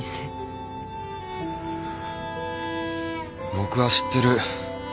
僕は知ってる。